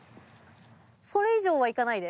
それ以上は行かないで。